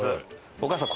お母さん